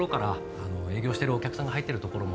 あの営業してるお客さんが入ってるところも